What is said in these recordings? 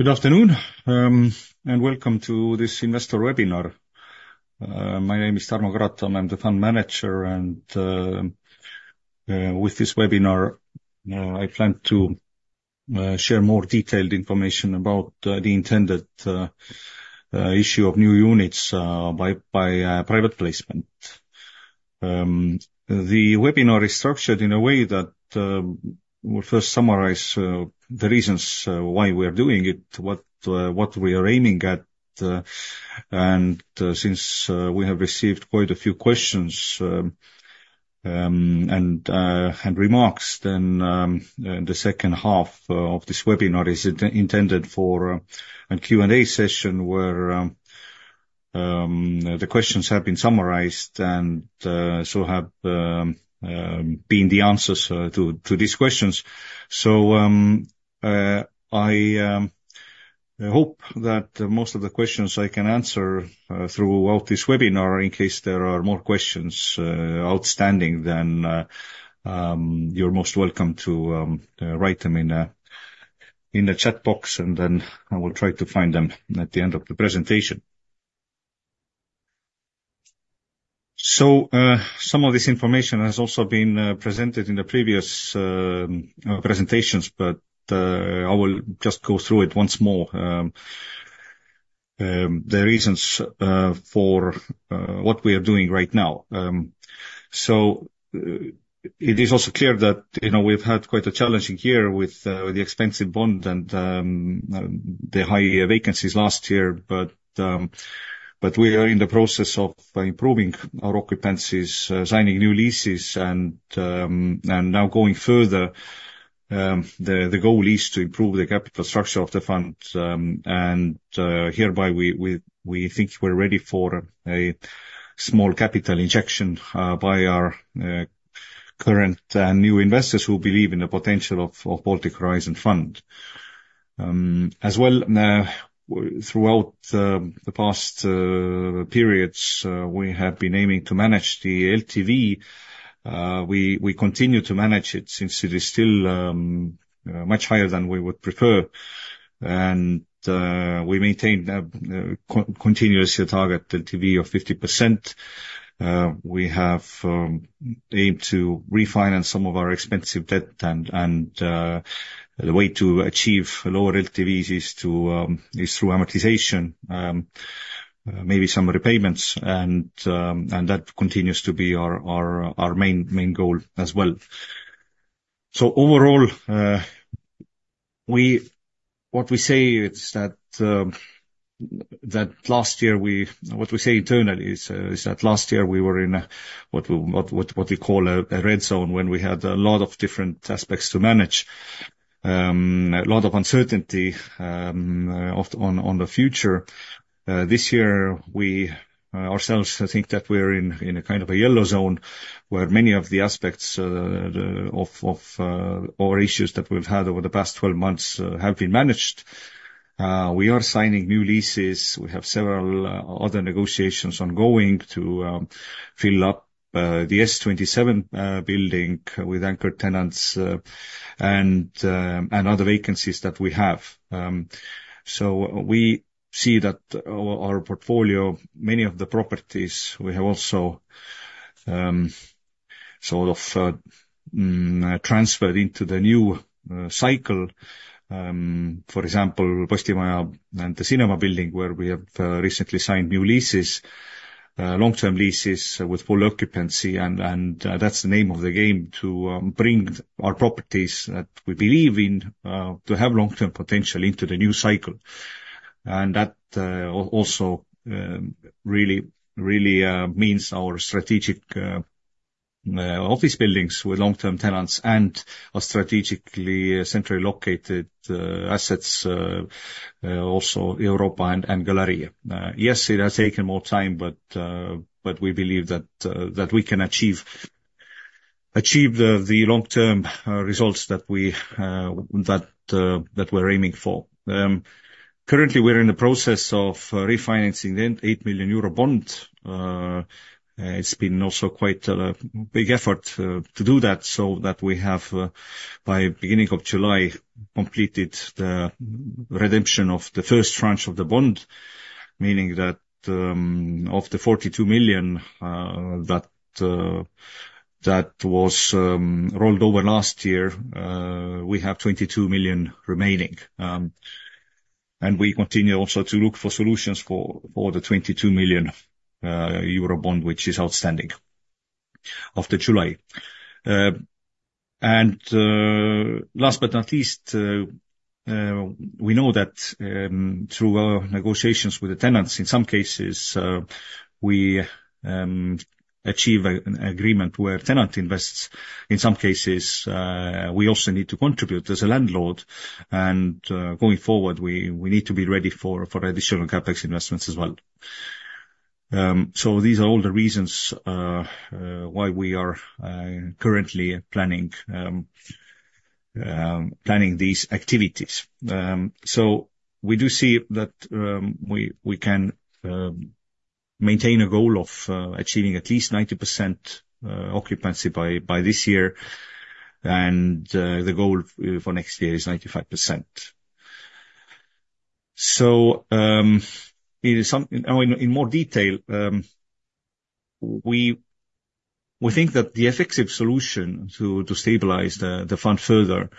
Good afternoon, and welcome to this investor webinar. My name is Tarmo Karotam. I'm the fund manager, and with this webinar, I plan to share more detailed information about the intended issue of new units by private placement. The webinar is structured in a way that will first summarize the reasons why we are doing it, what we are aiming at, and since we have received quite a few questions and remarks, then the second half of this webinar is intended for a Q&A session where the questions have been summarized and so have been the answers to these questions. So, I hope that most of the questions I can answer throughout this webinar. In case there are more questions outstanding, then you're most welcome to write them in the chat box, and then I will try to find them at the end of the presentation. So, some of this information has also been presented in the previous presentations, but I will just go through it once more, the reasons for what we are doing right now. So, it is also clear that, you know, we've had quite a challenging year with the expensive bond and the high vacancies last year, but we are in the process of improving our occupancies, signing new leases, and now going further. The goal is to improve the capital structure of the fund, and hereby we think we're ready for a small capital injection by our current new investors who believe in the potential of Baltic Horizon Fund. As well, throughout the past periods, we have been aiming to manage the LTV. We continue to manage it since it is still much higher than we would prefer. And we maintained continuously a target LTV of 50%. We have aimed to refinance some of our expensive debt, and the way to achieve lower LTVs is through amortization, maybe some repayments, and that continues to be our main goal as well. So overall, what we say internally is that last year we were in what we call a red zone when we had a lot of different aspects to manage, a lot of uncertainty on the future. This year we ourselves think that we're in a kind of a yellow zone where many of the aspects of our issues that we've had over the past 12 months have been managed. We are signing new leases, we have several other negotiations ongoing to fill up the S27 building with anchor tenants, and other vacancies that we have. So we see that our portfolio, many of the properties we have also sort of transferred into the new cycle. For example, Postimaja and the cinema building where we have recently signed new leases, long-term leases with full occupancy, and that's the name of the game to bring our properties that we believe in, to have long-term potential into the new cycle. And that also really means our strategic office buildings with long-term tenants and our strategically centrally located assets, also Europa and Galerija. Yes, it has taken more time, but we believe that we can achieve the long-term results that we're aiming for. Currently we're in the process of refinancing the 8 million euro bond. It's been also quite a big effort to do that so that we have, by the beginning of July, completed the redemption of the first tranche of the bond, meaning that of the 42 million that was rolled over last year, we have 22 million remaining. We continue also to look for solutions for the 22 million euro bond, which is outstanding after July. Last but not least, we know that through our negotiations with the tenants, in some cases, we achieve an agreement where tenant invests. In some cases, we also need to contribute as a landlord, and going forward, we need to be ready for additional CapEx investments as well. These are all the reasons why we are currently planning these activities. So we do see that we can maintain a goal of achieving at least 90% occupancy by this year, and the goal for next year is 95%. So, in some, you know, in more detail, we think that the effective solution to stabilize the fund further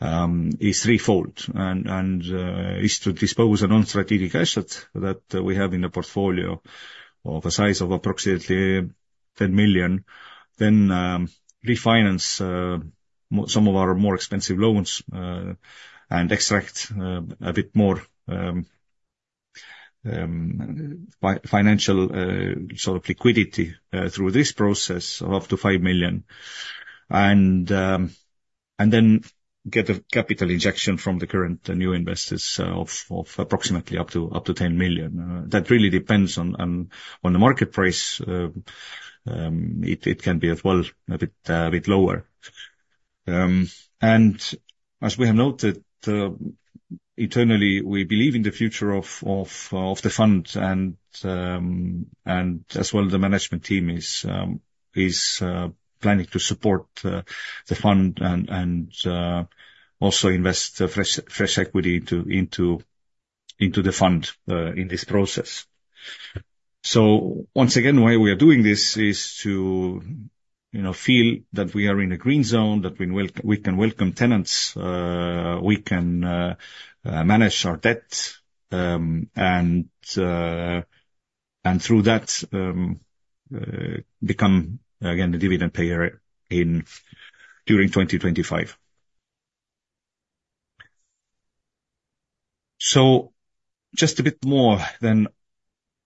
is threefold, and is to dispose of a non-strategic asset that we have in the portfolio of a size of approximately 10 million, then refinance some of our more expensive loans, and extract a bit more financial sort of liquidity through this process of up to 5 million, and then get a capital injection from the current new investors of approximately up to 10 million. That really depends on the market price. It can be as well a bit lower. As we have noted, internally, we believe in the future of the fund, and as well, the management team is planning to support the fund and also invest fresh equity into the fund in this process. So once again, the way we are doing this is to, you know, feel that we are in a green zone, that we can welcome tenants, we can manage our debt, and through that, become again the dividend payer during 2025. So just a bit more on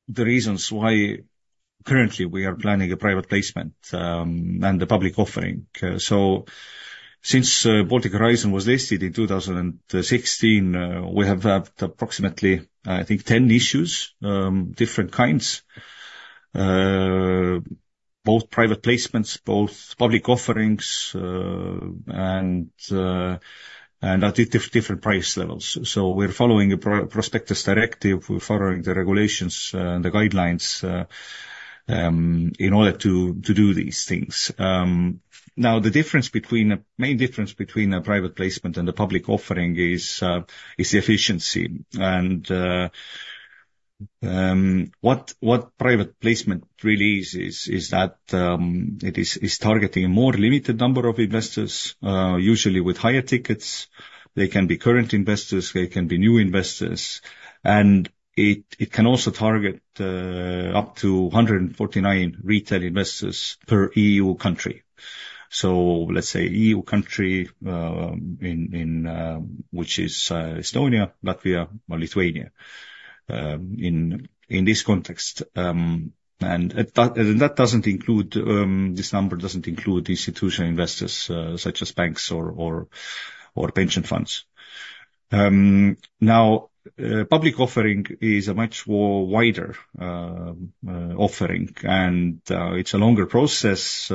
the reasons why currently we are planning a private placement and the public offering. So since Baltic Horizon was listed in 2016, we have had approximately, I think, 10 issues, different kinds, both private placements and public offerings, and at different price levels. So we're following a Prospectus Directive, we're following the regulations and the guidelines, in order to do these things. Now the main difference between a private placement and a public offering is the efficiency. What private placement really is is that it is targeting a more limited number of investors, usually with higher tickets. They can be current investors, they can be new investors, and it can also target up to 149 retail investors per EU country. So let's say EU country, which is Estonia, Latvia, or Lithuania, in this context, and that doesn't include—this number doesn't include institutional investors, such as banks or pension funds. Now, public offering is a much wider offering, and it's a longer process,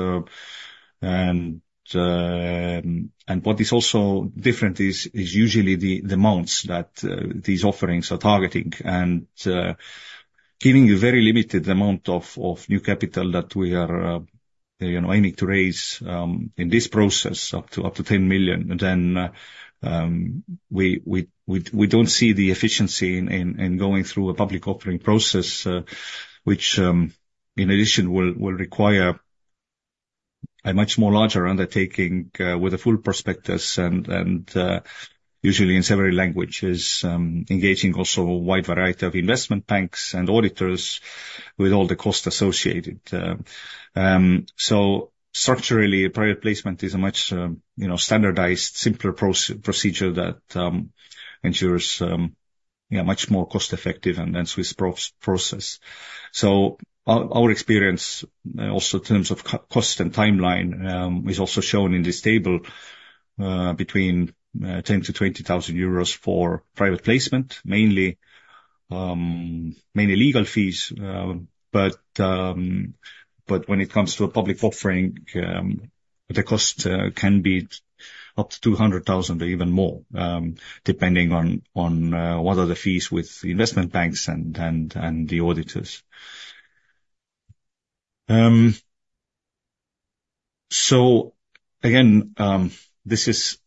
and what is also different is usually the amounts that these offerings are targeting, giving you very limited amount of new capital that we are, you know, aiming to raise in this process up to 10 million. Then, we don't see the efficiency in going through a public offering process, which in addition will require a much more larger undertaking, with a full prospectus and usually in several languages, engaging also a wide variety of investment banks and auditors with all the cost associated. So structurally, private placement is a much, you know, standardized simpler procedure that ensures, yeah, much more cost-effective and swift process. So our experience also in terms of cost and timeline is also shown in this table, between 10,000-20,000 euros for private placement, mainly legal fees, but when it comes to a public offering, the cost can be up to 200,000 or even more, depending on what are the fees with investment banks and the auditors. So again, this is,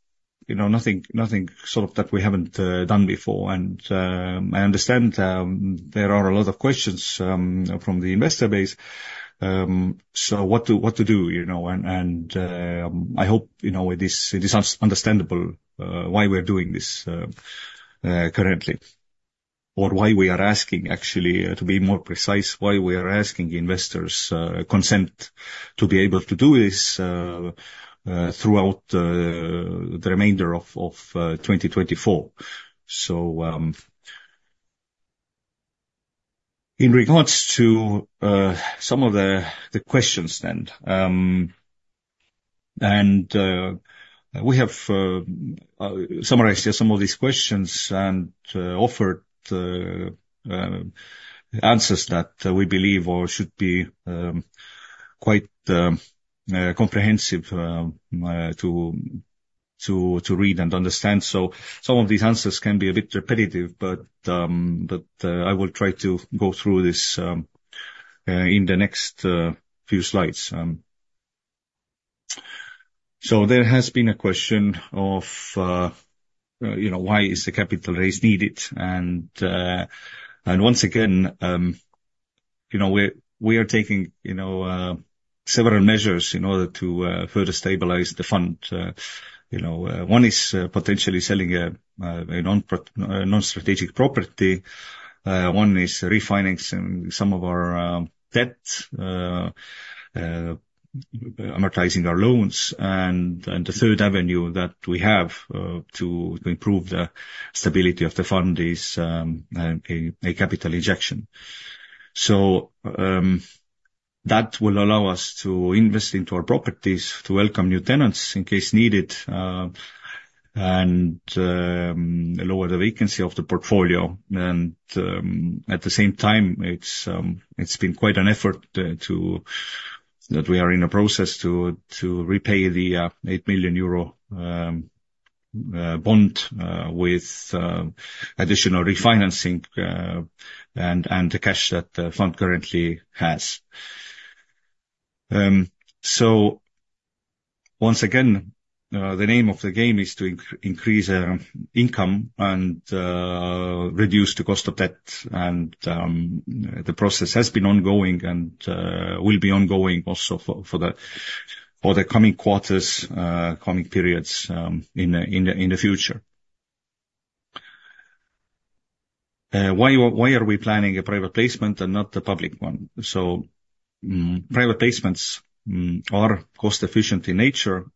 you know, nothing sort of that we haven't done before, and I understand there are a lot of questions from the investor base, so what to do, you know, and I hope, you know, it is understandable why we're doing this currently or why we are asking actually to be more precise, why we are asking investors consent to be able to do this throughout the remainder of 2024. So, in regards to some of the questions then, and we have summarized here some of these questions and offered answers that we believe or should be quite comprehensive to read and understand. So some of these answers can be a bit repetitive, but I will try to go through this in the next few slides. So there has been a question of, you know, why is the capital raise needed? And once again, you know, we're, we are taking, you know, several measures in order to further stabilize the fund. You know, one is potentially selling a non-strategic property. One is refinancing some of our debt, amortizing our loans. And the third avenue that we have to improve the stability of the fund is a capital injection. So, that will allow us to invest into our properties to welcome new tenants in case needed, and lower the vacancy of the portfolio. And, at the same time, it's been quite an effort to that we are in a process to repay the 8 million euro bond with additional refinancing and the cash that the fund currently has. So once again, the name of the game is to increase our income and reduce the cost of debt. And, the process has been ongoing and will be ongoing also for the coming quarters, coming periods, in the future. Why are we planning a private placement and not the public one? So, private placements are cost-efficient in nature,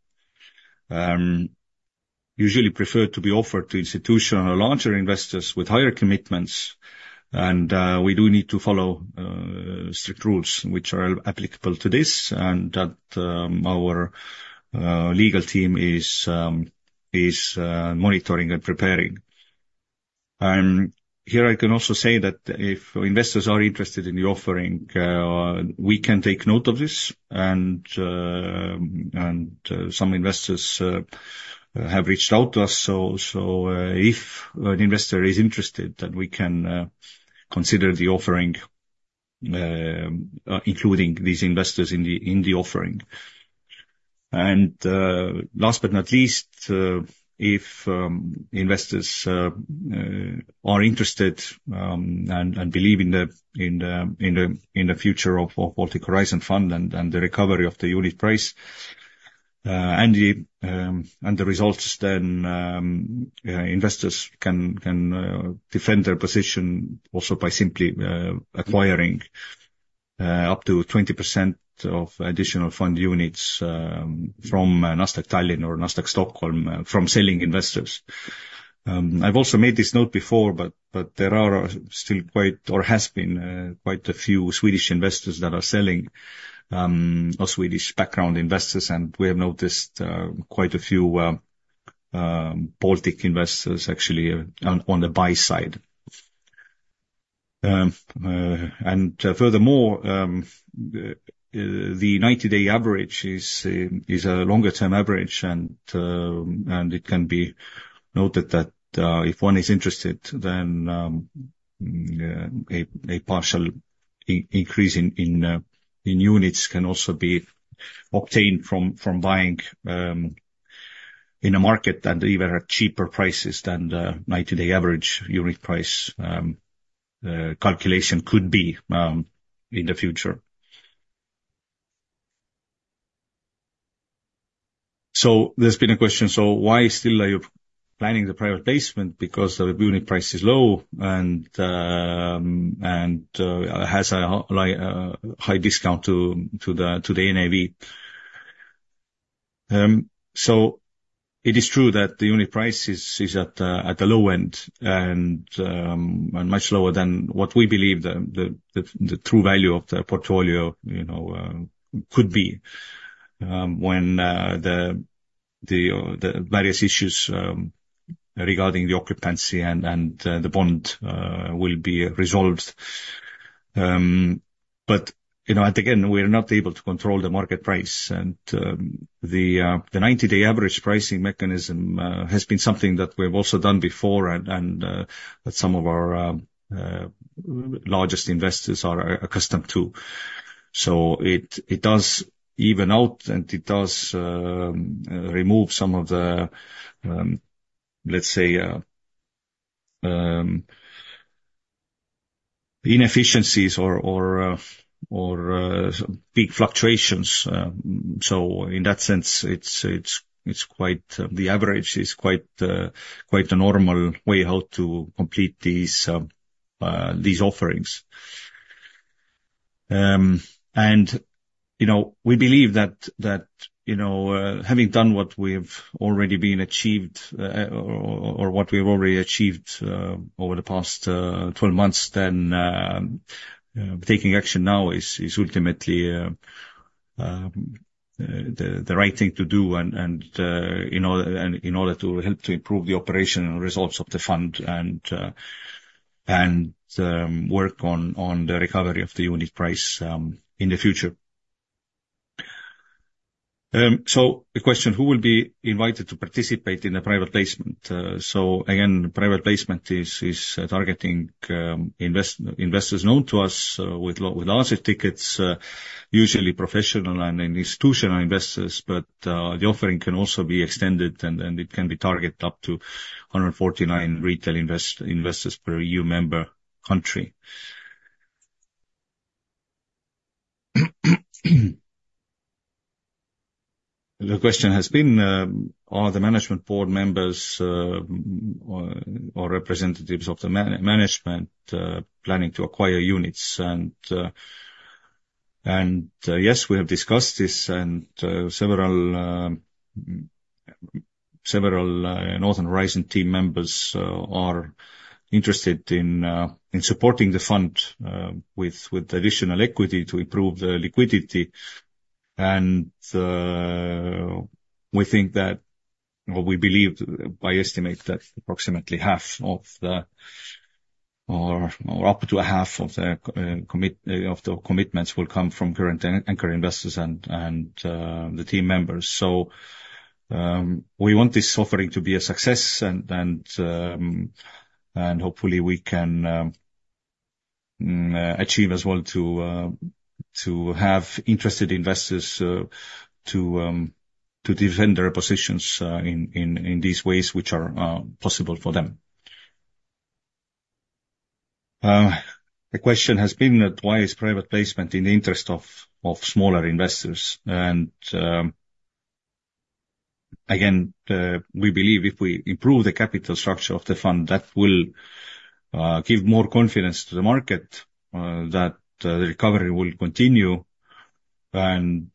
usually preferred to be offered to institutional or larger investors with higher commitments. We do need to follow strict rules which are applicable to this and that. Our legal team is monitoring and preparing. Here I can also say that if investors are interested in the offering, we can take note of this. And some investors have reached out to us. So if an investor is interested, then we can consider the offering, including these investors in the offering. And last but not least, if investors are interested and believe in the future of Baltic Horizon Fund and the recovery of the unit price and the results, then investors can defend their position also by simply acquiring up to 20% of additional fund units from Nasdaq Tallinn or Nasdaq Stockholm from selling investors. I've also made this note before, but there are still quite a few Swedish investors that are selling, or Swedish background investors. We have noticed quite a few Baltic investors actually on the buy side. Furthermore, the 90-day average is a longer-term average. It can be noted that, if one is interested, then a partial increase in units can also be obtained from buying in a market that even at cheaper prices than the 90-day average unit price calculation could be in the future. So there's been a question. So why still are you planning the private placement? Because the unit price is low and has a high discount to the NAV. So it is true that the unit price is at the low end and much lower than what we believe the true value of the portfolio, you know, could be, when the various issues regarding the occupancy and the bond will be resolved. But you know, at the end, we are not able to control the market price. And the 90-day average pricing mechanism has been something that we've also done before and that some of our largest investors are accustomed to. So it does even out and it does remove some of the, let's say, inefficiencies or big fluctuations. So in that sense, it's quite the average is quite a normal way how to complete these offerings. You know, we believe that, you know, having done what we've already achieved over the past 12 months, then taking action now is ultimately the right thing to do and in order to help improve the operational results of the fund and work on the recovery of the unit price in the future. So the question, who will be invited to participate in the private placement? So again, private placement is targeting investors known to us with lots of tickets, usually professional and institutional investors. But the offering can also be extended and it can be targeted up to 149 retail investors per EU member country. The question has been, are the management board members or representatives of the management planning to acquire units? Yes, we have discussed this, and several Northern Horizon team members are interested in supporting the fund with additional equity to improve the liquidity. We think that, or we believe by estimate that approximately half of, or up to a half of the commitment of the commitments will come from current anchor investors and the team members. So, we want this offering to be a success, and hopefully we can achieve as well to have interested investors to defend their positions in these ways which are possible for them. The question has been that why is private placement in the interest of smaller investors? And, again, we believe if we improve the capital structure of the fund, that will give more confidence to the market that the recovery will continue. And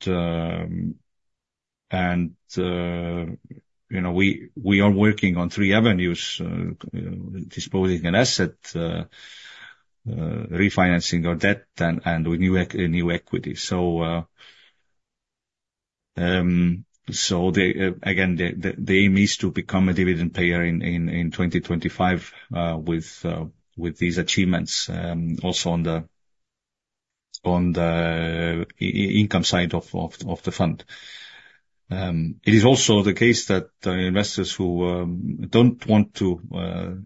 you know, we are working on three avenues, disposing an asset, refinancing our debt and with new equity. So again, the aim is to become a dividend payer in 2025, with these achievements, also on the income side of the fund. It is also the case that investors who don't want to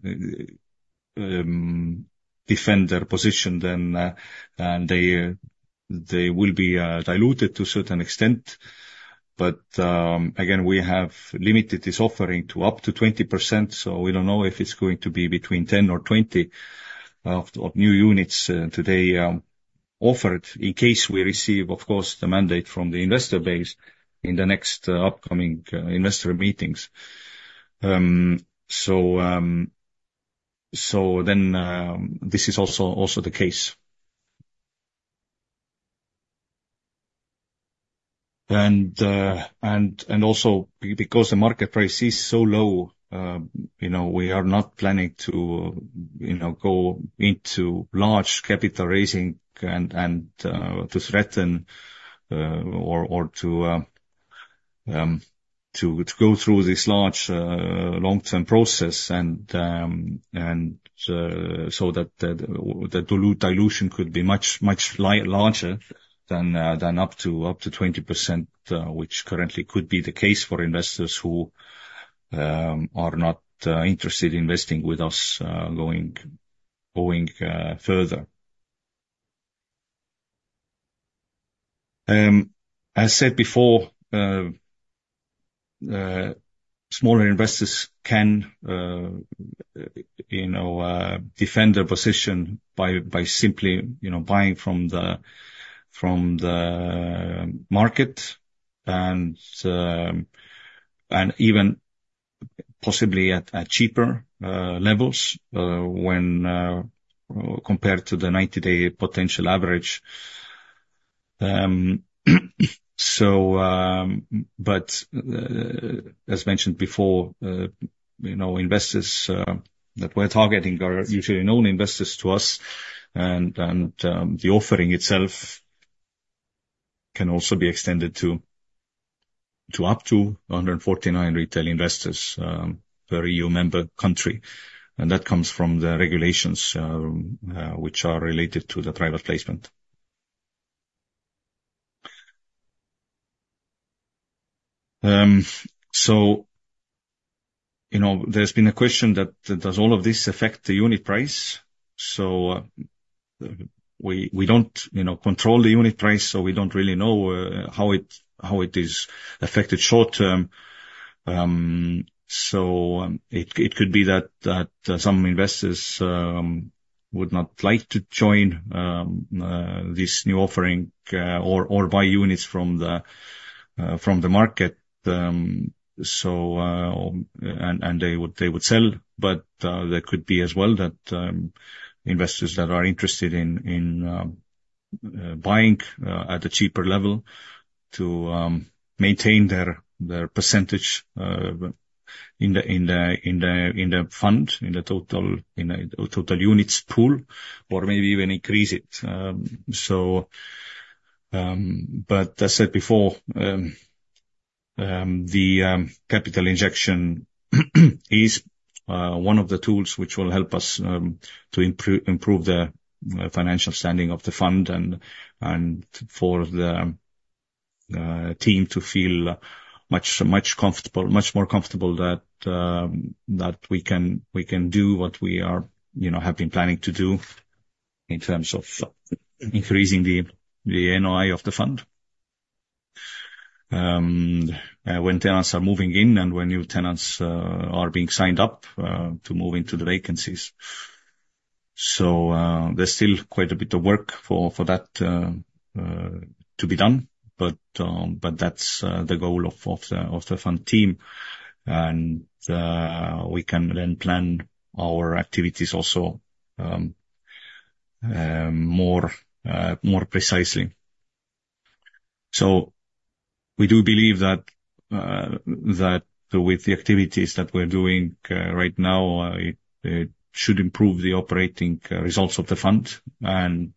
defend their position then, and they will be diluted to a certain extent. But again, we have limited this offering to up to 20%. So we don't know if it's going to be between 10 or 20 of new units today, offered in case we receive, of course, the mandate from the investor base in the next upcoming investor meetings. So then, this is also the case. Also, because the market price is so low, you know, we are not planning to, you know, go into large capital raising and to threaten or to go through this large, long-term process. So that the dilution could be much larger than up to 20%, which currently could be the case for investors who are not interested in investing with us going further. As said before, smaller investors can, you know, defend their position by simply, you know, buying from the market and even possibly at cheaper levels when compared to the 90-day average price. But, as mentioned before, you know, investors that we're targeting are usually known investors to us. The offering itself can also be extended to up to 149 retail investors, per EU member country. That comes from the regulations, which are related to the private placement. So, you know, there's been a question that does all of this affect the unit price? So, we don't, you know, control the unit price, so we don't really know how it is affected short term. So, it could be that some investors would not like to join this new offering, or buy units from the market. So, and they would sell. But there could be as well that investors that are interested in buying at a cheaper level to maintain their percentage in the fund, in the total units pool, or maybe even increase it. So, but as said before, the capital injection is one of the tools which will help us to improve the financial standing of the fund and for the team to feel much more comfortable that we can do what we are, you know, have been planning to do in terms of increasing the NOI of the fund. When tenants are moving in and when new tenants are being signed up to move into the vacancies. So, there's still quite a bit of work for that to be done. But that's the goal of the fund team. And we can then plan our activities also more precisely. So we do believe that with the activities that we're doing right now it should improve the operating results of the fund. And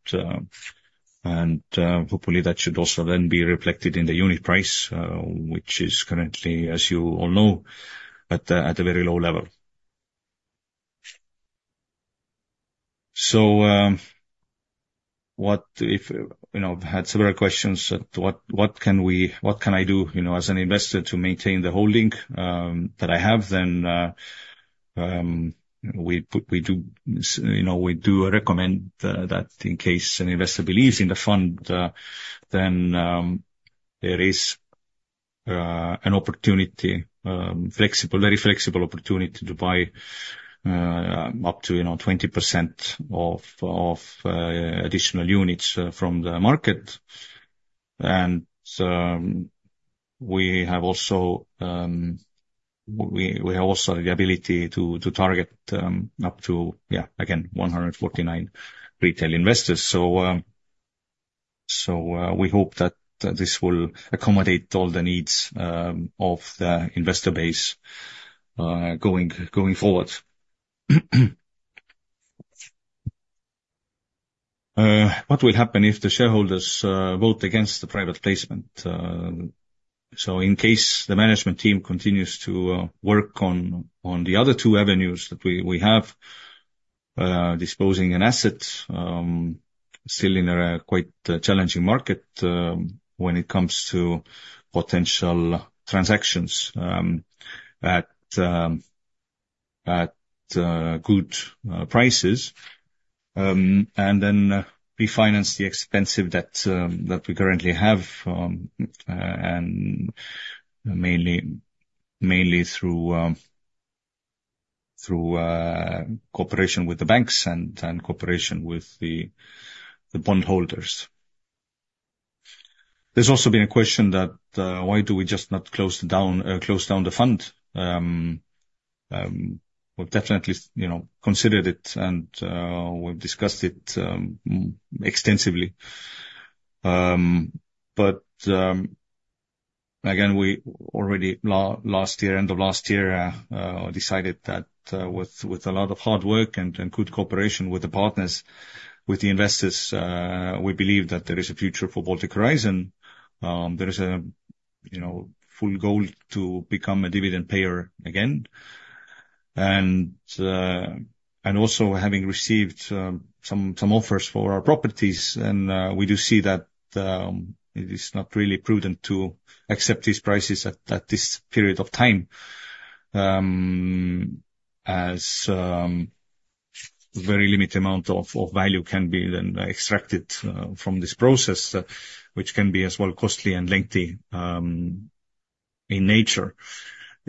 hopefully that should also then be reflected in the unit price, which is currently, as you all know, at a very low level. So you know, I've had several questions that what can I do, you know, as an investor to maintain the holding that I have then. We do, you know, we do recommend that in case an investor believes in the fund, then there is a very flexible opportunity to buy up to, you know, 20% of additional units from the market. We have also the ability to target up to, yeah, again, 149 retail investors. So, we hope that this will accommodate all the needs of the investor base, going forward. What will happen if the shareholders vote against the private placement? So in case the management team continues to work on the other two avenues that we have, disposing an asset still in a quite challenging market when it comes to potential transactions at good prices. And then we finance the expenses that we currently have, and mainly through cooperation with the banks and cooperation with the bondholders. There's also been a question that, why do we just not close down the fund? We've definitely, you know, considered it and we've discussed it extensively. But, again, we already last year, end of last year, decided that, with a lot of hard work and good cooperation with the partners, with the investors, we believe that there is a future for Baltic Horizon. There is a, you know, full goal to become a dividend payer again. And also having received some offers for our properties, and we do see that it is not really prudent to accept these prices at this period of time. As very limited amount of value can be then extracted from this process, which can be as well costly and lengthy in nature.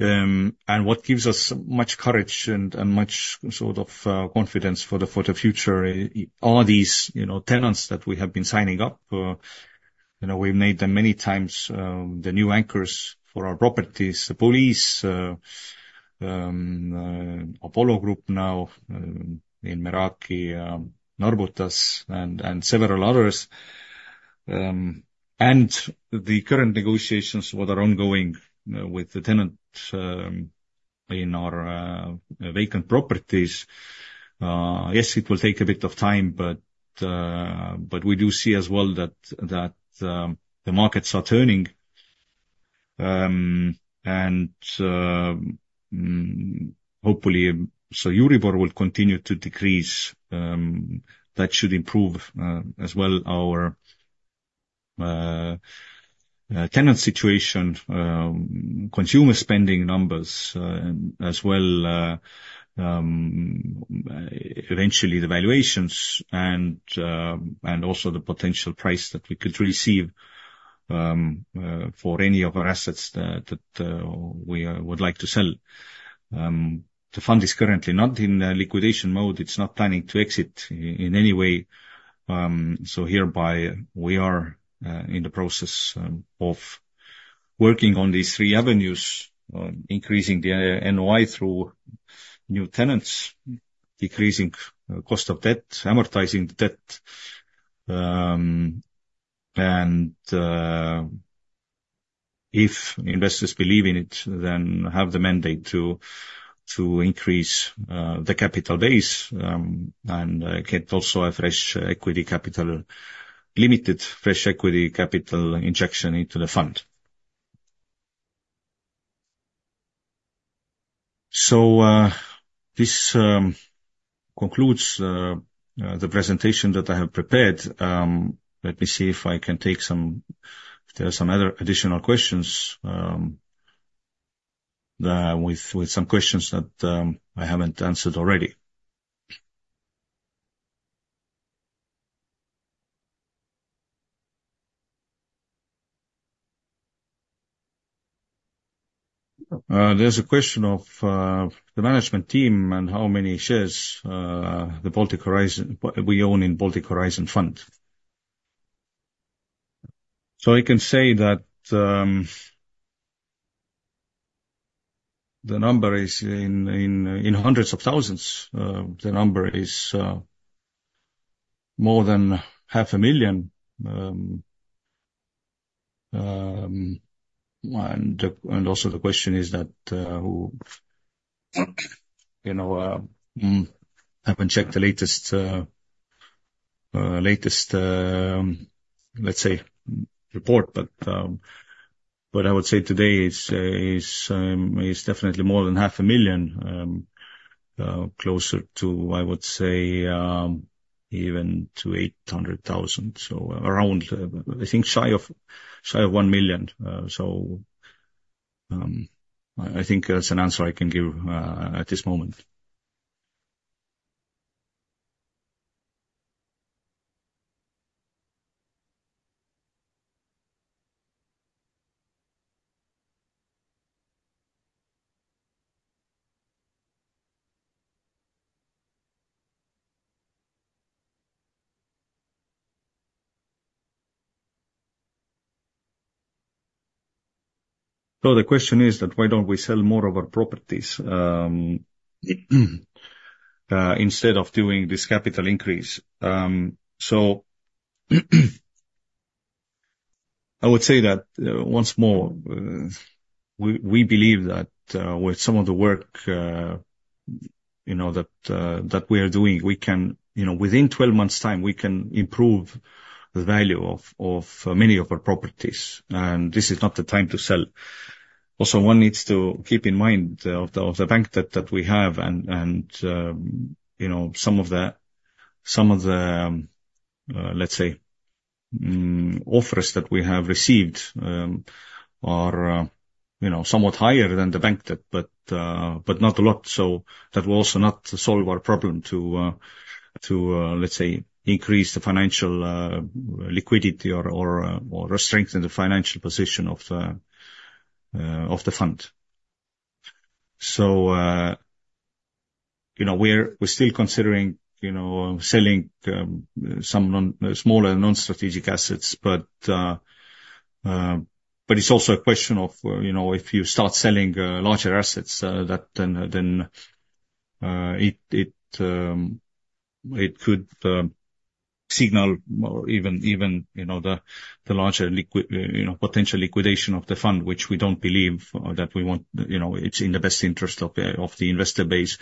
And what gives us much courage and much sort of confidence for the future are these, you know, tenants that we have been signing up. You know, we've made them many times, the new anchors for our properties, the lease, Apollo Group now, in Meraki, Narbutas and several others. And the current negotiations that are ongoing with the tenant in our vacant properties. Yes, it will take a bit of time, but we do see as well that the markets are turning. And hopefully Euribor will continue to decrease. That should improve as well our tenant situation, consumer spending numbers as well eventually the valuations and also the potential price that we could receive for any of our assets that we would like to sell. The fund is currently not in liquidation mode. It's not planning to exit in any way. So hereby we are in the process of working on these three avenues: increasing the NOI through new tenants, decreasing cost of debt, amortizing the debt. If investors believe in it, then have the mandate to increase the capital base and get also a fresh equity capital, limited fresh equity capital injection into the fund. So this concludes the presentation that I have prepared. Let me see if I can take some if there are some other additional questions with some questions that I haven't answered already. There's a question of the management team and how many shares the Baltic Horizon we own in Baltic Horizon Fund. So I can say that the number is in hundreds of thousands. The number is more than 500,000. And also the question is that who you know haven't checked the latest latest let's say report but I would say today is definitely more than 500,000 closer to I would say even to 800,000. So around, I think, shy of 1 million. So, I think that's an answer I can give, at this moment. So the question is that why don't we sell more of our properties, instead of doing this capital increase? So I would say that, once more, we, we believe that, with some of the work, you know, that, that we are doing, we can, you know, within 12 months' time, we can improve the value of, of many of our properties. And this is not the time to sell. Also, one needs to keep in mind of the, of the bank that, that we have and, and, you know, some of the, some of the, let's say, offers that we have received, are, you know, somewhat higher than the bank debt, but, but not a lot. So that will also not solve our problem to, let's say, increase the financial liquidity or strengthen the financial position of the fund. So, you know, we're still considering, you know, selling some smaller non-strategic assets, but it's also a question of, you know, if you start selling larger assets, that then it could signal even, you know, the larger, you know, potential liquidation of the fund, which we don't believe that we want, you know. It's in the best interest of the investor base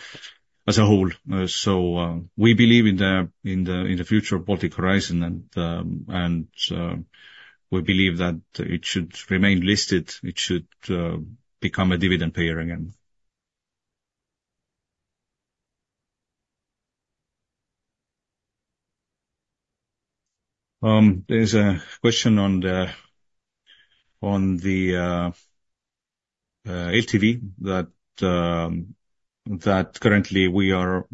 as a whole. So, we believe in the future of Baltic Horizon, and we believe that it should remain listed. It should become a dividend payer again. There's a question on the LTV that currently we are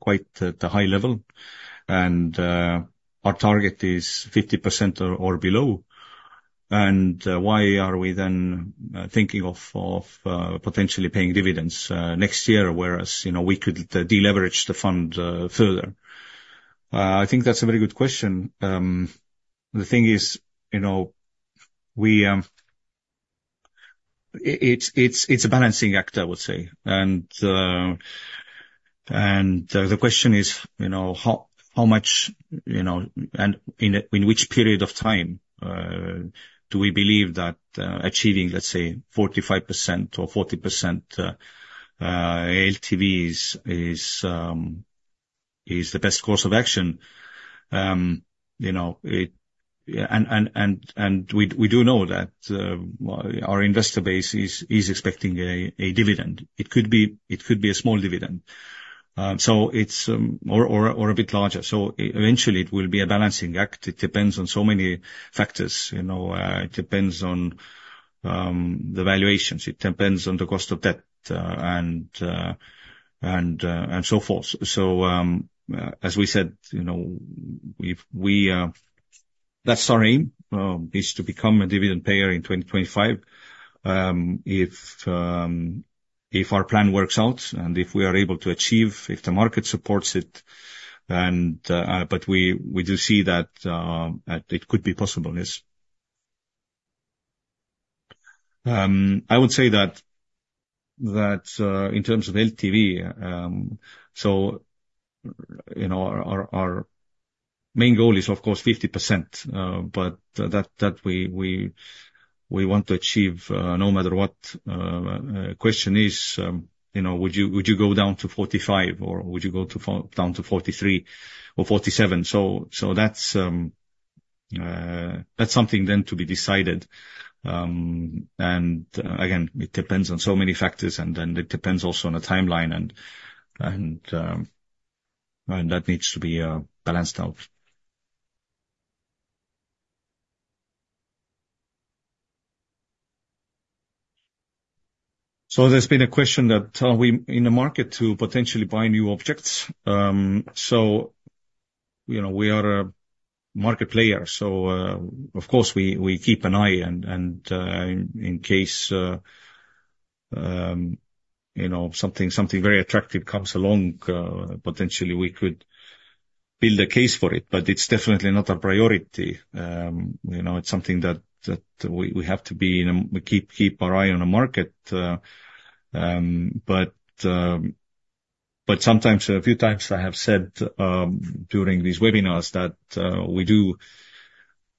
quite at the high level and our target is 50% or below. And why are we then thinking of potentially paying dividends next year, whereas you know we could deleverage the fund further? I think that's a very good question. The thing is, you know, we, it's a balancing act, I would say. And the question is, you know, how much, you know, and in which period of time do we believe that achieving, let's say, 45% or 40% LTV is the best course of action? You know, and we do know that our investor base is expecting a dividend. It could be a small dividend. So it's or a bit larger. So eventually it will be a balancing act. It depends on so many factors, you know. It depends on the valuations. It depends on the cost of debt, and so forth. So, as we said, you know, if we, that's our aim, is to become a dividend payer in 2025. If our plan works out and if we are able to achieve, if the market supports it and, but we do see that it could be possible. Yes. I would say that in terms of LTV, so, you know, our main goal is, of course, 50%, but that we want to achieve, no matter what. Question is, you know, would you go down to 45 or would you go down to 43 or 47? So that's something then to be decided. Again, it depends on so many factors and then it depends also on a timeline, and that needs to be balanced out. So there's been a question that we in the market to potentially buy new objects. So, you know, we are a market player. So, of course we keep an eye, and in case, you know, something very attractive comes along, potentially we could build a case for it, but it's definitely not our priority. You know, it's something that we have to be in a, we keep our eye on a market. But sometimes, a few times I have said during these webinars that we do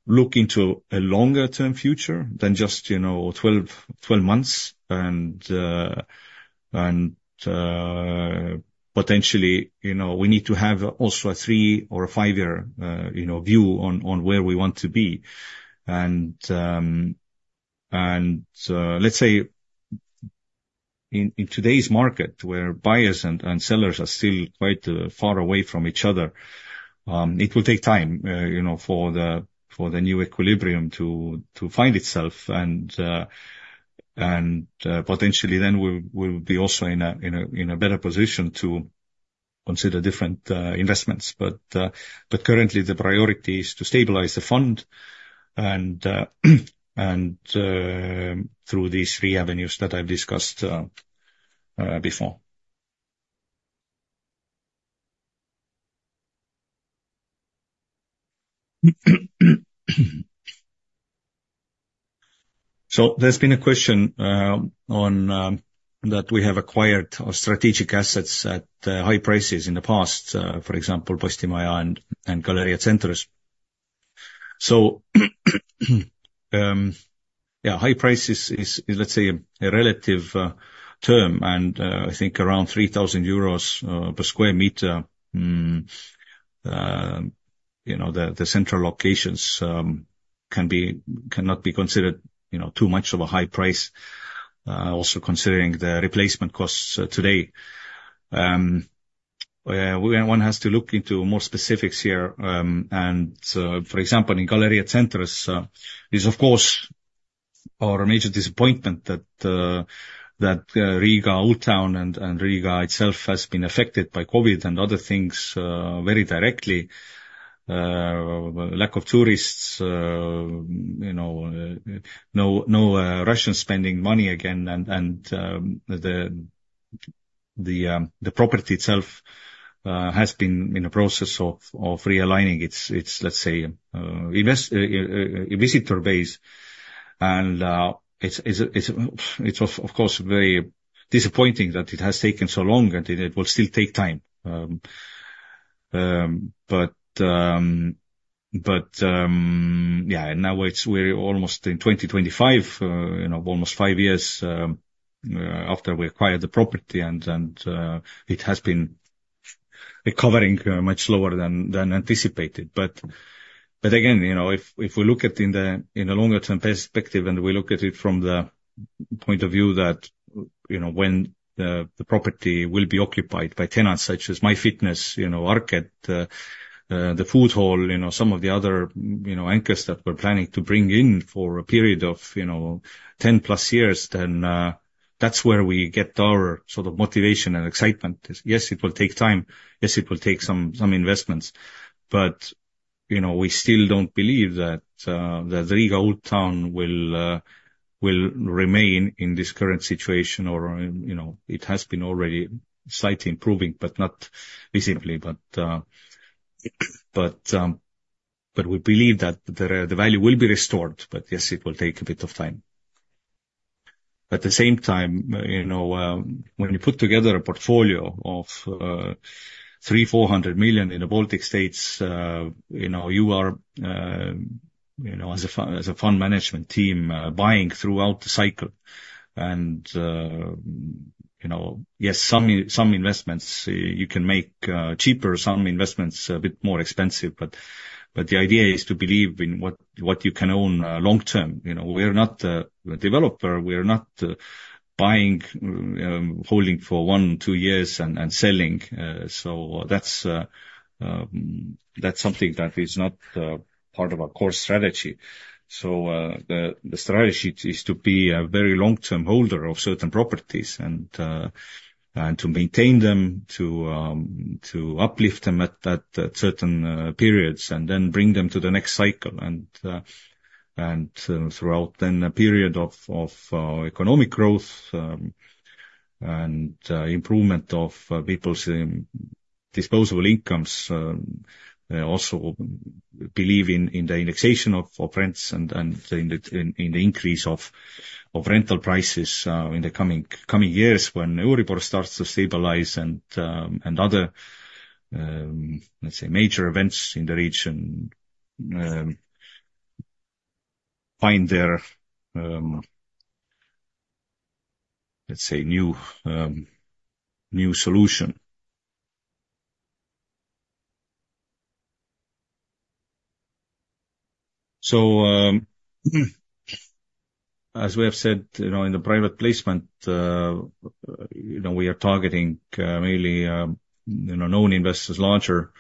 look into a longer-term future than just, you know, 12 months and potentially, you know, we need to have also a three- or five-year, you know, view on where we want to be. And let's say in today's market where buyers and sellers are still quite far away from each other, it will take time, you know, for the new equilibrium to find itself and potentially then we will be also in a better position to consider different investments. But currently the priority is to stabilize the fund and through these three avenues that I've discussed before. So there's been a question on that we have acquired strategic assets at high prices in the past, for example, Postimaja and Galerija Centrs. So, yeah, high prices is, let's say, a relative term and I think around 3,000 euros per square meter, you know, the central locations cannot be considered, you know, too much of a high price, also considering the replacement costs today. One has to look into more specifics here. And, for example, in Galerija Centrs is of course our major disappointment that Riga Old Town and Riga itself has been affected by COVID and other things very directly, lack of tourists, you know, no Russians spending money again and the property itself has been in a process of realigning its investor-visitor base. It's of course very disappointing that it has taken so long and it will still take time. But yeah, and now it's, we're almost in 2025, you know, almost five years after we acquired the property and it has been recovering much slower than anticipated. But again, you know, if we look at in a longer term perspective and we look at it from the point of view that, you know, when the property will be occupied by tenants such as MyFitness, you know, ARKET, the Food Hall, you know, some of the other, you know, anchors that we're planning to bring in for a period of, you know, 10+ years, then that's where we get our sort of motivation and excitement. Yes, it will take time. Yes, it will take some investments. But, you know, we still don't believe that, that Riga Old Town will, will remain in this current situation or, you know, it has been already slightly improving, but not visibly. But, but, but we believe that the, the value will be restored, but yes, it will take a bit of time. At the same time, you know, when you put together a portfolio of 300 million- 400 million in the Baltic States, you know, you are, you know, as a, as a fund management team, buying throughout the cycle. And, you know, yes, some, some investments you can make cheaper, some investments a bit more expensive. But, but the idea is to believe in what, what you can own long term. You know, we're not a developer. We're not buying, holding for one, two years and, and selling. So that's, that's something that is not part of our core strategy. So, the strategy is to be a very long-term holder of certain properties and to maintain them, to uplift them at certain periods and then bring them to the next cycle and throughout then a period of economic growth and improvement of people's disposable incomes. Also believe in the indexation of rents and in the increase of rental prices in the coming years when Euribor starts to stabilize and other, let's say, major events in the region find their, let's say, new solution. So, as we have said, you know, in the private placement, you know, we are targeting mainly, you know, known investors, larger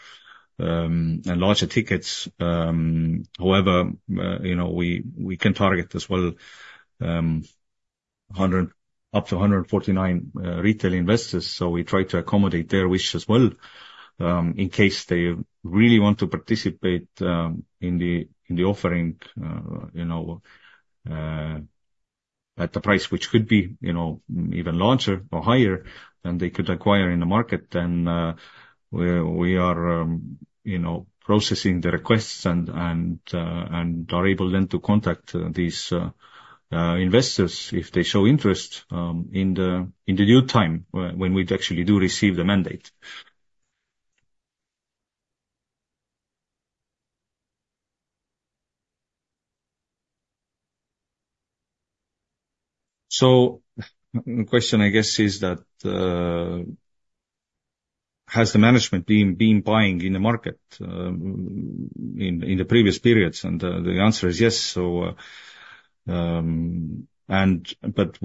and larger tickets. However, you know, we can target as well 100 up to 149 retail investors. So we try to accommodate their wish as well, in case they really want to participate in the offering, you know, at the price, which could be, you know, even larger or higher than they could acquire in the market. We are, you know, processing the requests and are able then to contact these investors if they show interest in the due time when we actually do receive the mandate. So the question I guess is that, has the management team been buying in the market in the previous periods? And the answer is yes. But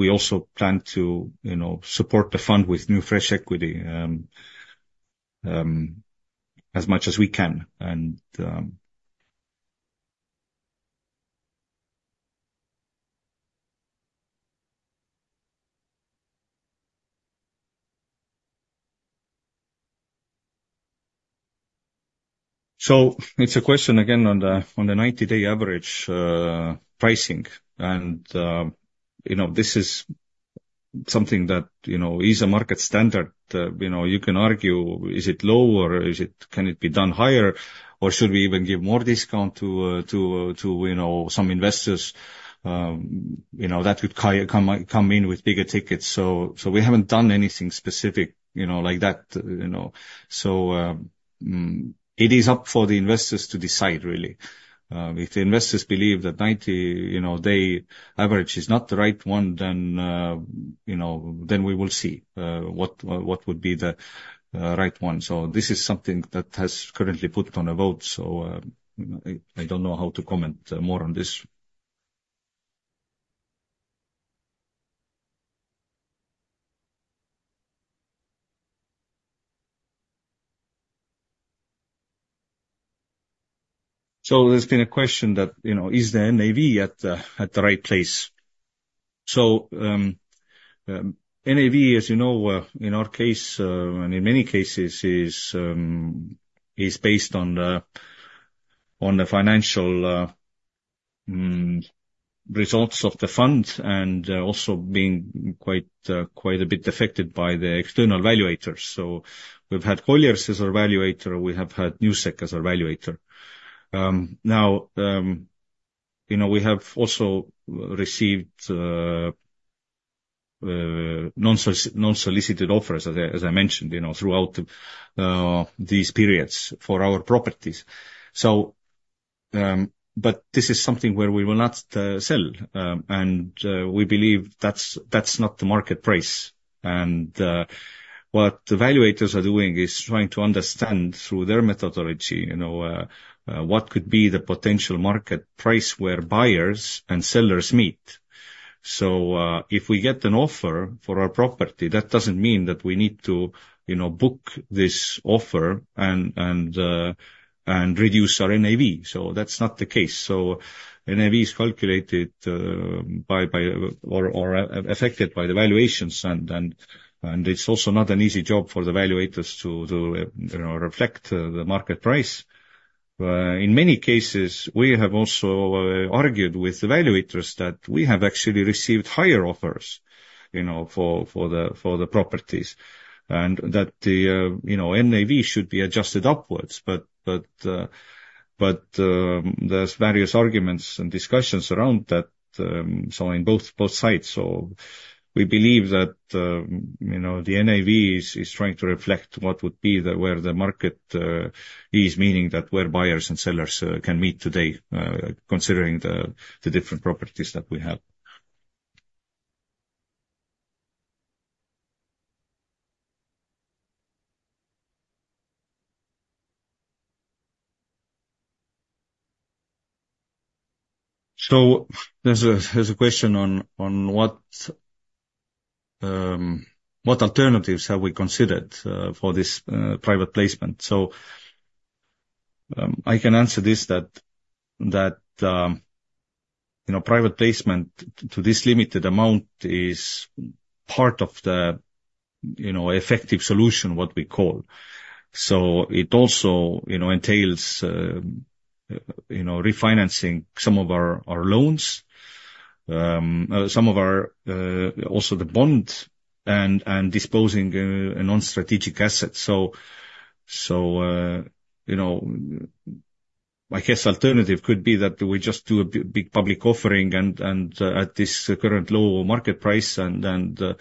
we also plan to, you know, support the fund with new fresh equity, as much as we can. So it's a question again on the 90-day average pricing. You know, this is something that, you know, is a market standard. You know, you can argue, is it low or is it, can it be done higher or should we even give more discount to you know, some investors, you know, that could come in with bigger tickets. So, we haven't done anything specific, you know, like that, you know. So, it is up for the investors to decide really. If the investors believe that 90-day average is not the right one, then, you know, we will see what would be the right one. So this is something that has currently put on a vote. So, I don't know how to comment more on this. So there's been a question that, you know, is the NAV at the right place? So, NAV, as you know, in our case, and in many cases is based on the financial results of the fund and also being quite a bit affected by the external valuators. We've had Colliers as our valuator. We have had Newsec as our valuator. Now, you know, we have also received unsolicited offers, as I mentioned, you know, throughout these periods for our properties. But this is something where we will not sell. And we believe that's not the market price. What the valuators are doing is trying to understand through their methodology, you know, what could be the potential market price where buyers and sellers meet. So, if we get an offer for our property, that doesn't mean that we need to, you know, book this offer and reduce our NAV. So that's not the case. So NAV is calculated by or affected by the valuations. And it's also not an easy job for the valuators to you know reflect the market price. In many cases, we have also argued with the valuators that we have actually received higher offers, you know, for the properties and that the you know NAV should be adjusted upwards. But there's various arguments and discussions around that, so in both sides. So we believe that you know the NAV is trying to reflect what would be the where the market is meaning that where buyers and sellers can meet today considering the different properties that we have. So there's a question on what alternatives have we considered for this private placement? So, I can answer this that you know, private placement to this limited amount is part of the you know, effective solution, what we call. So it also you know, entails you know, refinancing some of our loans, some of our also the bond and disposing a non-strategic asset. So you know, I guess alternative could be that we just do a big public offering and at this current low market price and the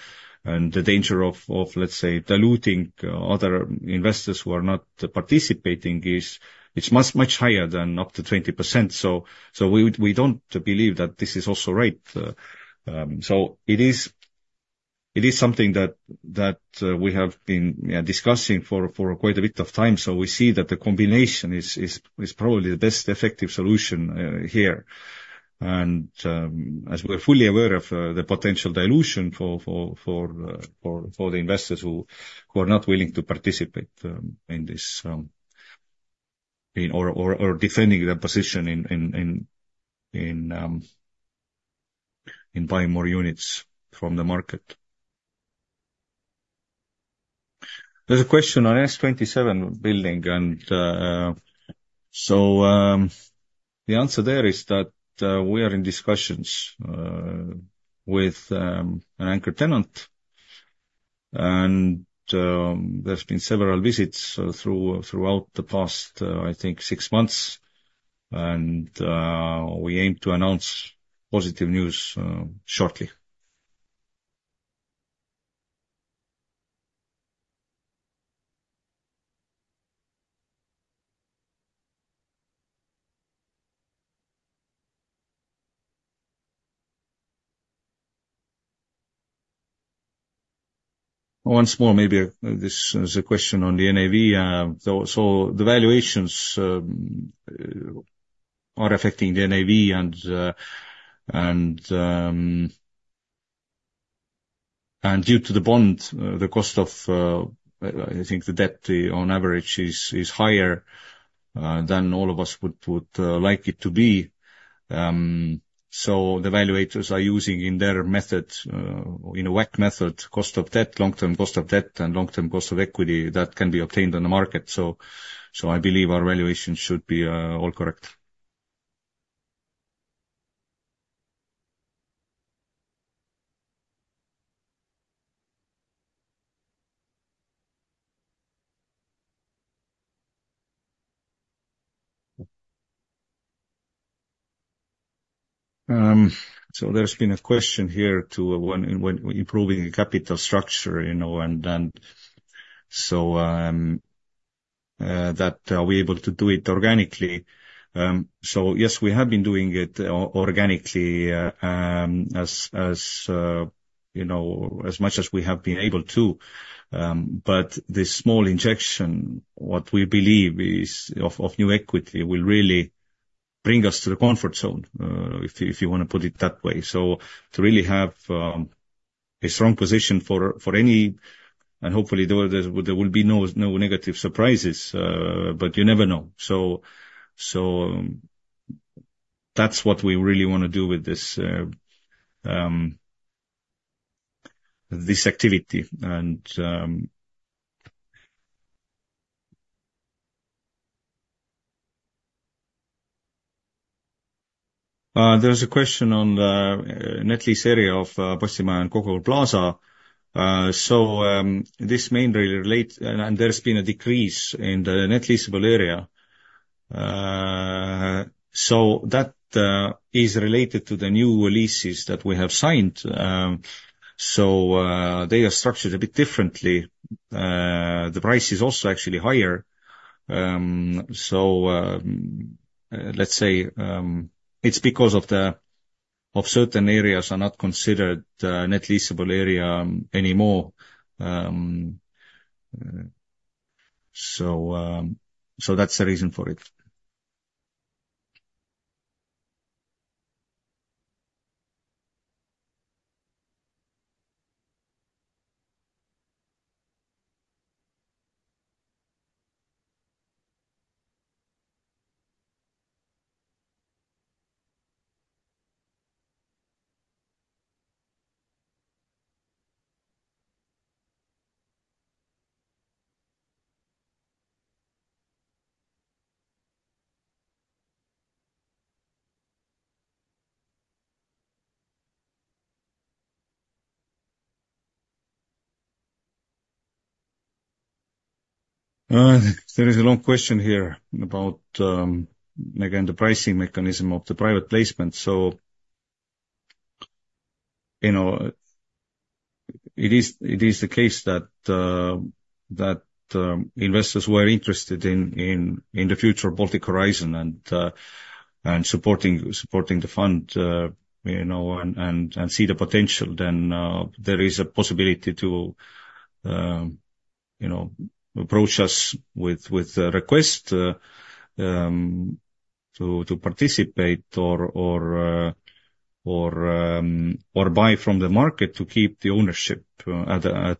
danger of let's say, diluting other investors who are not participating is, it's much much higher than up to 20%. So we don't believe that this is also right. So it is something that we have been yeah, discussing for quite a bit of time. So we see that the combination is probably the best effective solution here. As we're fully aware of, the potential dilution for the investors who are not willing to participate in this or defending their position in buying more units from the market. There's a question on S27 building, so the answer there is that we are in discussions with an anchor tenant and there's been several visits throughout the past, I think, six months and we aim to announce positive news shortly. Once more, maybe this is a question on the NAV. So the valuations are affecting the NAV and due to the bond, the cost of, I think, the debt on average is higher than all of us would like it to be. So the valuators are using in their method, you know, WACC method, cost of debt, long-term cost of debt and long-term cost of equity that can be obtained on the market. So I believe our valuation should be all correct. So there's been a question here to when improving capital structure, you know, and so that are we able to do it organically? So yes, we have been doing it organically, as you know, as much as we have been able to. But this small injection, what we believe is of new equity will really bring us to the comfort zone, if you wanna put it that way. So to really have a strong position for any. And hopefully there will be no negative surprises, but you never know. So that's what we really wanna do with this activity. There's a question on the net leasable area of Coca-Cola Plaza. So this mainly relates and there's been a decrease in the net leasable area. So that is related to the new leases that we have signed. So they are structured a bit differently. The price is also actually higher. So let's say it's because of certain areas that are not considered net leasable area anymore. So that's the reason for it. There is a long question here about, again, the pricing mechanism of the private placement. So, you know, it is the case that investors who are interested in the future Baltic Horizon and supporting the fund, you know, and see the potential, then there is a possibility to, you know, approach us with the request to participate or buy from the market to keep the ownership at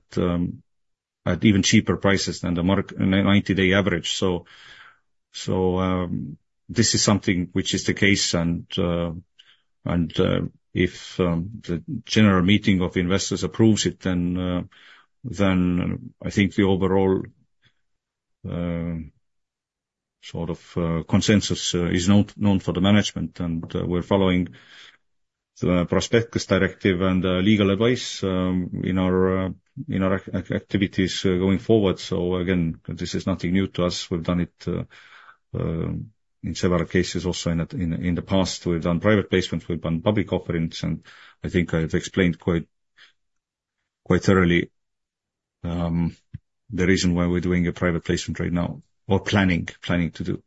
even cheaper prices than the market 90-day average. So, this is something which is the case and, if the general meeting of investors approves it, then I think the overall sort of consensus is known for the management and we're following the Prospectus Directive and legal advice in our activities going forward. So again, this is nothing new to us. We've done it in several cases also in the past. We've done private placement, we've done public offerings, and I think I've explained quite, quite thoroughly the reason why we're doing a private placement right now or planning, planning to do.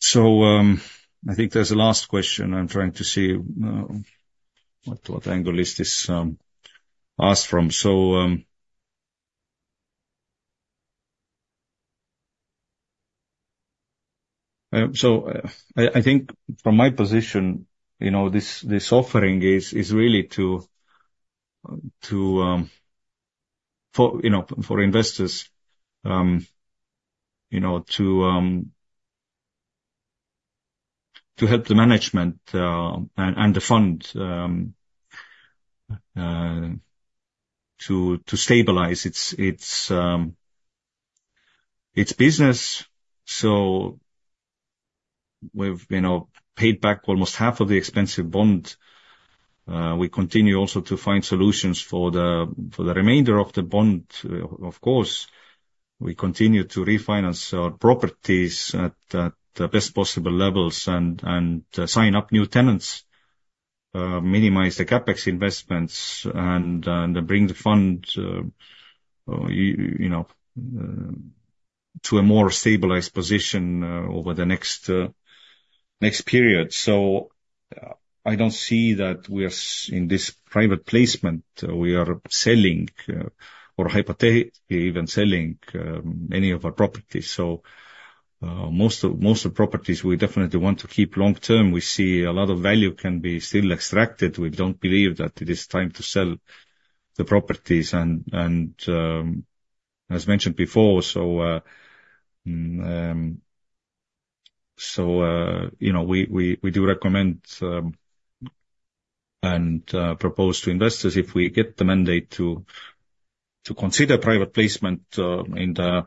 So, I think there's a last question. I'm trying to see what, what angle is this asked from. So, so I, I think from my position, you know, this, this offering is, is really to, to, for, you know, for investors, you know, to, to help the management, and, and the fund, to, to stabilize its, its, its business. So we've, you know, paid back almost half of the expensive bond. We continue also to find solutions for the, for the remainder of the bond. Of course, we continue to refinance our properties at the best possible levels and sign up new tenants, minimize the CapEx investments and bring the fund, you know, to a more stabilized position, over the next period. So I don't see that we are in this private placement. We are selling or hypothetically even selling any of our properties. So, most of the properties we definitely want to keep long term. We see a lot of value can be still extracted. We don't believe that it is time to sell the properties and, as mentioned before. So, you know, we do recommend and propose to investors if we get the mandate to consider private placement, in the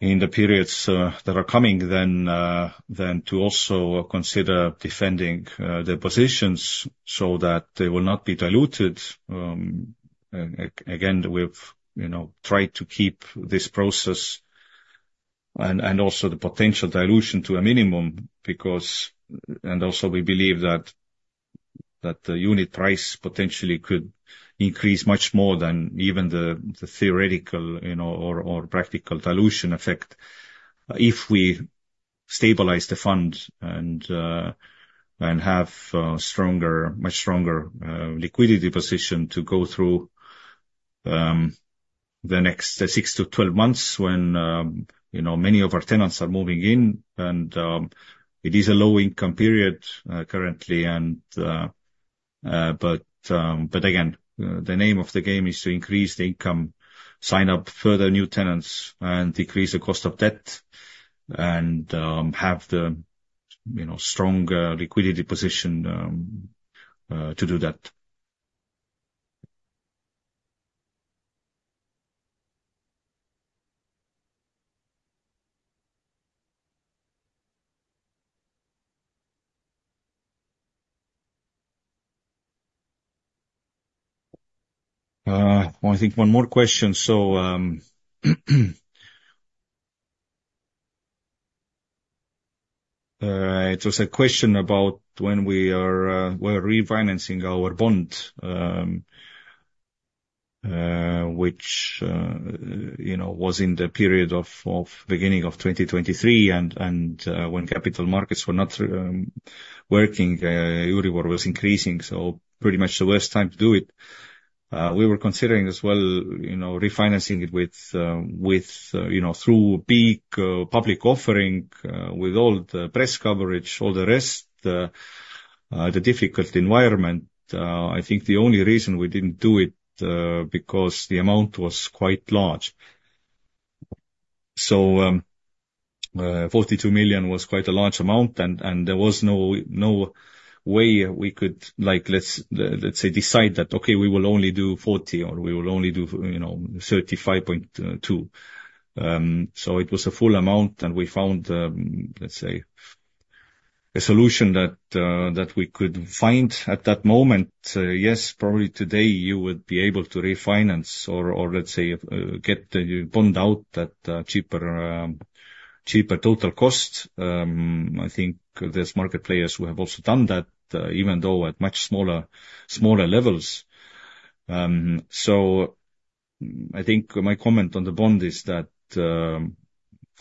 periods that are coming, then to also consider defending the positions so that they will not be diluted. Again, we've, you know, tried to keep this process and also the potential dilution to a minimum because also we believe that the unit price potentially could increase much more than even the theoretical, you know, or practical dilution effect if we stabilize the fund and have stronger, much stronger liquidity position to go through the next six to 12 months when, you know, many of our tenants are moving in and it is a low income period, currently. But again, the name of the game is to increase the income, sign up further new tenants and decrease the cost of debt and have the, you know, stronger liquidity position to do that. I think one more question. So, it was a question about when we're refinancing our bond, which, you know, was in the period of the beginning of 2023 and when capital markets were not working, Euribor was increasing. So pretty much the worst time to do it. We were considering as well, you know, refinancing it with, you know, through a big public offering, with all the press coverage, all the rest, the difficult environment. I think the only reason we didn't do it was because the amount was quite large. So, 42 million was quite a large amount and there was no way we could like, let's say, decide that, okay, we will only do 40 million or we will only do, you know, 35.2 million. So it was a full amount and we found, let's say, a solution that we could find at that moment. Yes, probably today you would be able to refinance or, let's say, get the bond out at a cheaper total cost. I think there's market players who have also done that, even though at much smaller levels. So I think my comment on the bond is that,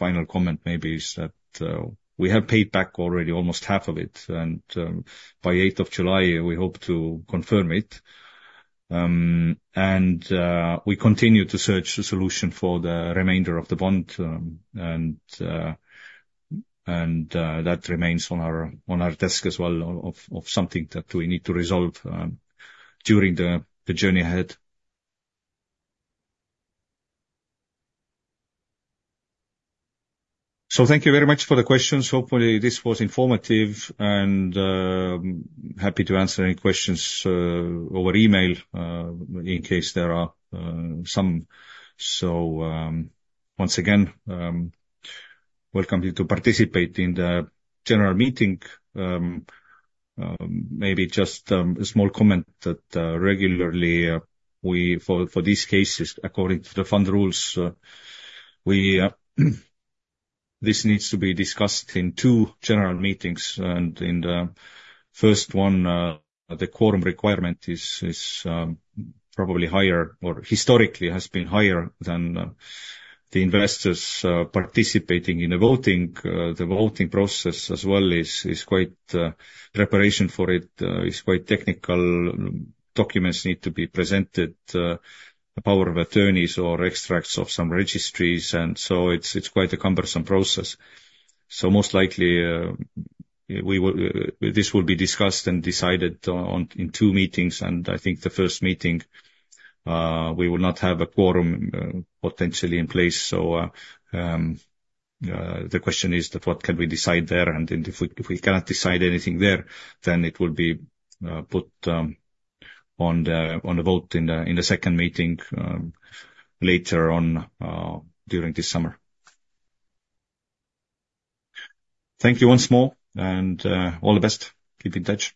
final comment maybe is that, we have paid back already almost half of it and, by 8th of July, we hope to confirm it. We continue to search the solution for the remainder of the bond, and that remains on our desk as well of something that we need to resolve, during the journey ahead. So thank you very much for the questions. Hopefully this was informative and happy to answer any questions, over email, in case there are some. So, once again, welcome you to participate in the general meeting. Maybe just a small comment that regularly, for these cases, according to the fund rules, this needs to be discussed in two general meetings and in the first one, the quorum requirement is probably higher or historically has been higher than the investors participating in the voting. The voting process as well is quite. Preparation for it is quite technical. Documents need to be presented, the power of attorneys or extracts of some registries. And so it's quite a cumbersome process. So most likely, this will be discussed and decided on in two meetings. And I think the first meeting, we will not have a quorum potentially in place. So, the question is that what can we decide there? And if we cannot decide anything there, then it will be put on the vote in the second meeting, later on, during this summer. Thank you once more and all the best. Keep in touch.